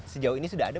sejauh ini sudah ada